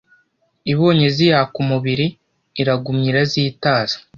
Ibonye ziyaka umubiri iragumya irazitaza